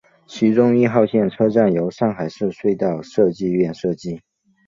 其中一号线车站由上海市隧道设计院设计。